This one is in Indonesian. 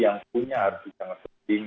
yang punya harus sangat penting